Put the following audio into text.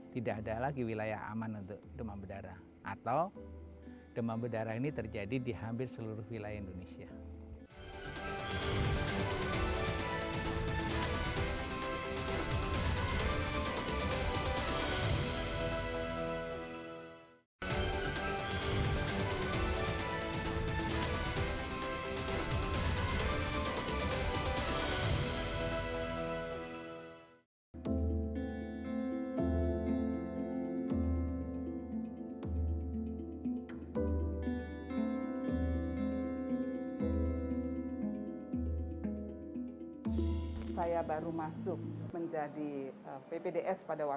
tidak ada lagi wilayah aman untuk demam berdarah atau demam berdarah ini terjadi di hampir seluruh wilayah indonesia